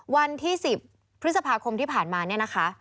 วันที่๑๐พฤษภาคมที่ผ่านมาเนี่ยนะคะ